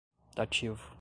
dativo